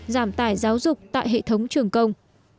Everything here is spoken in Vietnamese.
giảm tải giáo dục tại hệ thống trường công